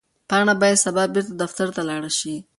پاڼه باید سبا بیا دفتر ته لاړه شي.